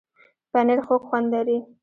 پنېر خوږ خوند لري.